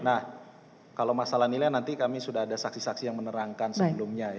nah kalau masalah nilai nanti kami sudah ada saksi saksi yang menerangkan sebelumnya